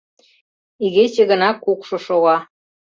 Игече гына кукшо шога.